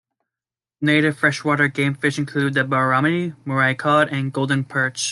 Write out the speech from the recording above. Native freshwater game fish include the barramundi, Murray cod, and golden perch.